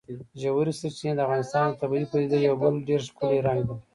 ژورې سرچینې د افغانستان د طبیعي پدیدو یو بل ډېر ښکلی رنګ دی.